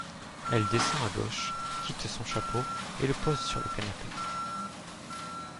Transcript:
Elle descend à gauche, quitte son chapeau et le pose sur le canapé.